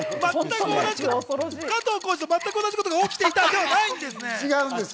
加藤浩次と全く同じことが起きていたんじゃないんです。